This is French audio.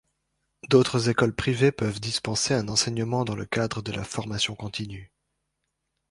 D'autres écoles privées peuvent dispenser un enseignement dans le cadre de la formation continue.